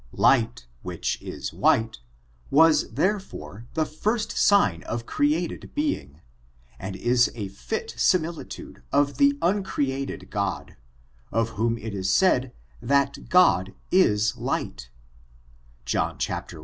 Light, which is white^ was there* fore the first sign of created being, and is a fit simili tude of the uncreated God, of whom it is said thai God is light, John i, 6.